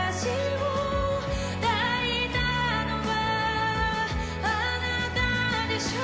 抱いたのはあなたでしょう